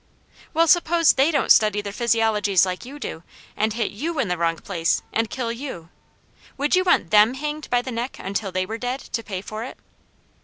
"Well, suppose they don't study their physiologies like you do, and hit YOU in the wrong place, and kill you, would you want THEM hanged by the neck until they were dead, to pay for it?"